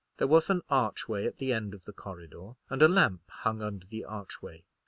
There was an archway at the end of the corridor, and a lamp hung under the archway.